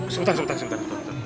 sebentar sebentar sebentar